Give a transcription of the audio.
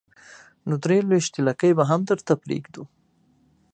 نو درې لوېشتې لکۍ به هم درته پرېږدو.